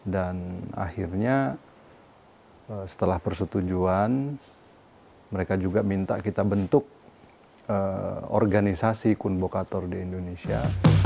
dan akhirnya setelah persetujuan mereka juga minta kita bentuk organisasi kumbhokator di indonesia